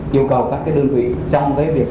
yêu cầu các cái đơn vị trong cái việc